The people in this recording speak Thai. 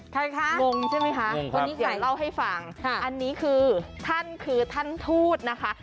ใครคะงงใช่ไหมคะคนนี้ค่ะเล่าให้ฟังอันนี้คือท่านคือท่านทูตนะคะ